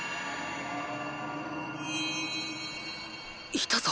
いたぞ！